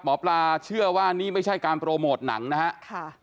หมอปลาเชื่อว่านี่ไม่ใช่การโปรโมทหนังนะครับ